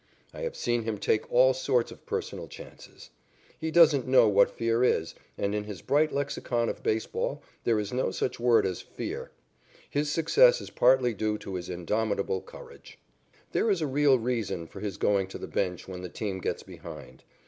I have seen him take all sorts of personal chances. He doesn't know what fear is, and in his bright lexicon of baseball there is no such word as "fear." His success is partly due to his indomitable courage. There is a real reason for his going to the bench when the team gets behind.